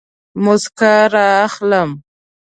موسکا رااخلم